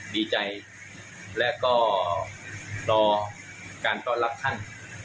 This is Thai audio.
ดีใจแล้วก็ตอบการตอบรับท่าน